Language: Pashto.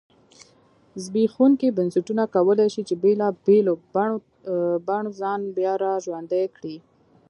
زبېښونکي بنسټونه کولای شي چې بېلابېلو بڼو ځان بیا را ژوندی کړی.